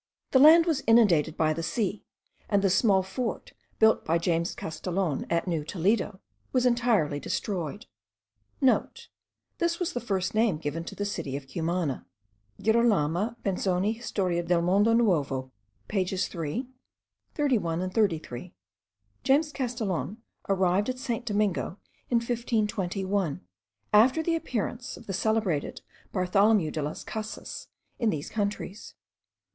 The land was inundated by the sea, and the small fort, built by James Castellon at New Toledo,* was entirely destroyed. (* This was the first name given to the city of Cumana Girolamo Benzoni Hist. del Mondo Nuovo pages 3, 31, and 33. James Castellon arrived at St. Domingo in 1521, after the appearance of the celebrated Bartholomew de las Casas in these countries.